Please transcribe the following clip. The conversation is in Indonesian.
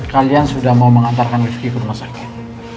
kalian sudah mau mengantarkan rifki ke rumah sakit